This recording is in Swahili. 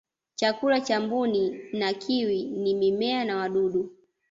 chakula cha mbuni na kiwi ni mimea na wadudu